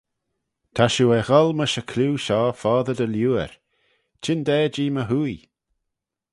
"Ta shiu er gholl mysh y clieau shoh foddey dy liooar; chyndaa-jee my-hwoaie."